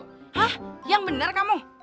hah yang bener kamu